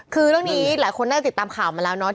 คือเรื่องนี้หลายคนน่าจะติดตามข่าวมาแล้วเนาะ